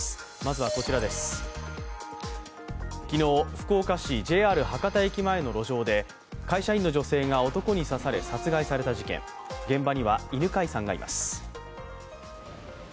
昨日、福岡市ＪＲ博多駅前の路上で会社員の女性が男に刺され殺害された事件、現場には犬飼さんがいます。